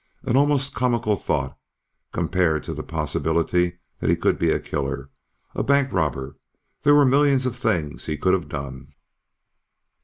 An almost comical thought, compared to the possibility that he could be a killer, a bank robber; there were a million things he could have done.